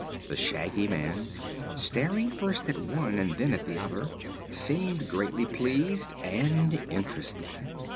The Shaggy Man, staring first at one and then at the other, seemed greatly pleased and interested.